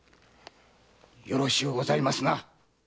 よろしゅうございますな？